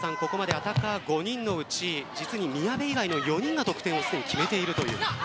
アタッカー５人のうち実に宮部以外の４人がすでに得点を決めているという。